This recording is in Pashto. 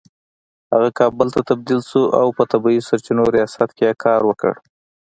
هغه کابل ته تبدیل شو او په طبیعي سرچینو ریاست کې يې کار وکړ